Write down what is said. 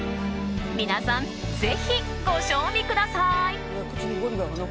皆さん、ぜひご賞味ください。